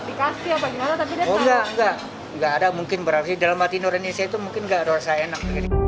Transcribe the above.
tidak ada mungkin berarti dalam hati noraninya saya itu mungkin tidak ada rasa enak